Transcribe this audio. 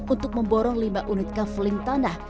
untuk memborong lima unit kaveling tanah